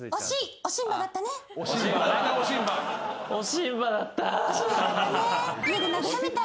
おしんばだったね。